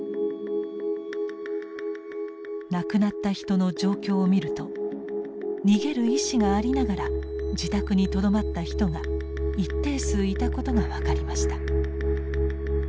亡くなった人の状況を見ると逃げる意思がありながら自宅にとどまった人が一定数いたことが分かりました。